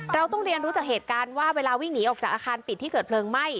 เราต้องเรียนรู้จากเกิดเหตุการณ์ว่า